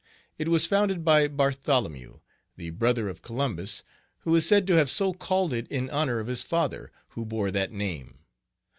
It was founded by Bartholomew, the brother of Columbus, who is said to have so called it in honor of his father, who bore that name.